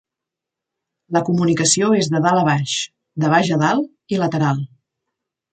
La comunicació és de dalt a baix, de baix a dalt i lateral.